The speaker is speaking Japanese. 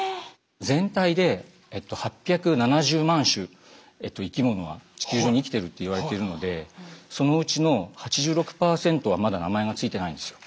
全体で８７０万種生きものが地球上に生きてるっていわれてるのでそのうちの８６％はまだ名前がついてないんですよ。